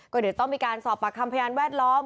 ก็เดี๋ยวต้องมีการสอบปากคำพยานแวดล้อม